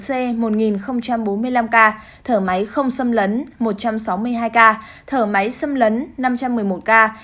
tám trăm linh năm ca thở oxy dòng cao hfnc một bốn mươi năm ca thở máy không xâm lấn một trăm sáu mươi hai ca thở máy xâm lấn năm trăm một mươi một ca